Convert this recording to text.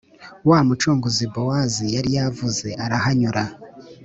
Wa mucunguzi Bowazi yari yavuze arahanyura